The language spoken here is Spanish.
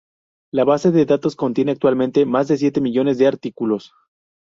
La base de datos contiene actualmente más de siete millones de artículos.